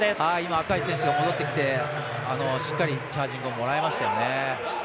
赤石選手が戻ってきてしっかりチャージングもらいましたよね。